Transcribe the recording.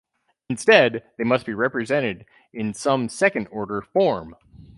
Instead, they must be represented in some second-order form.